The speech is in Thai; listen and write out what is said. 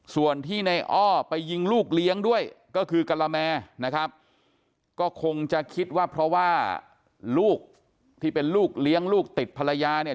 ส่วนที่ในอ้อไปยิงลูกเลี้ยงด้วยก็คือกะละแมนะครับก็คงจะคิดว่าเพราะว่าลูกที่เป็นลูกเลี้ยงลูกติดภรรยาเนี่ย